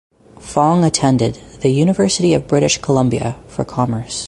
Fong attended the University of British Columbia for commerce.